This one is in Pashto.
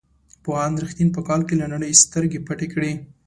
پوهاند رښتین په کال کې له نړۍ سترګې پټې کړې.